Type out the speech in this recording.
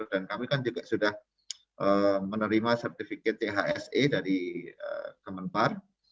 dan kami kan juga sudah menerima sertifikat thse dari kemenpar